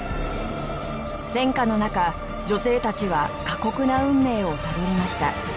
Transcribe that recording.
戦禍の中女性たちは過酷な運命をたどりました。